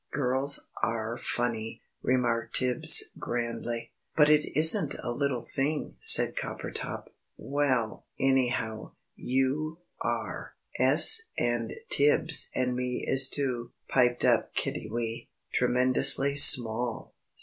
Girls are funny," remarked Tibbs, grandly. "But it isn't a little thing," said Coppertop. "Well, anyhow, you are!" "'Es, and Tibbs and me is too," piped up Kiddiwee, "twemendously small!"